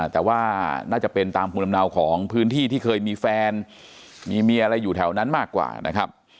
แต่ว่าน่าจะเป็นตามภูมิลำเนาของพื้นที่ที่เคยมีแฟนมีเมียอะไรอยู่แถวนั้นมากกว่านะครับ